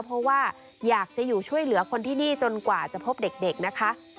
เพราะว่าอยากจะอยู่ช่วยเหลือคนที่นี่จนกว่าจะพบเด็กนะคะ